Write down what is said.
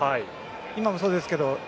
今もそうですが。